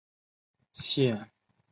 现在有了房子